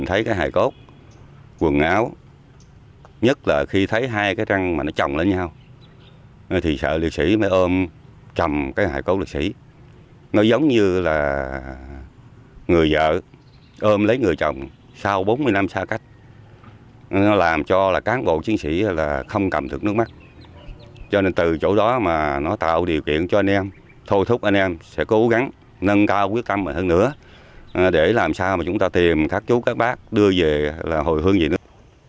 anh em sẽ cố gắng nâng cao quyết tâm hơn nữa để làm sao mà chúng ta tìm các chú các bác đưa về là hồi hương gì nữa